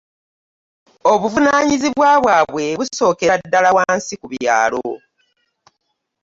Obuvunaanyizbwa bwabwe busookera ddala wansi ku byalo.